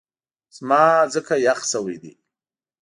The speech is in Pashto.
زما ځکه یخ شوی دی